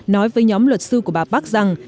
nói với nhóm luật sư của bà park rằng